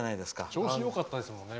調子よかったですもんね。